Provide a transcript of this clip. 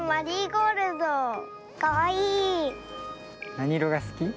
なにいろがすき？